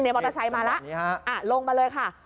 มอเตอร์ไซค์มาแล้วลงมาเลยค่ะ